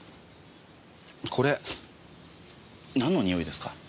これなんの匂いですか？